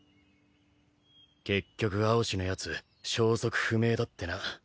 結局蒼紫のやつ消息不明だってな。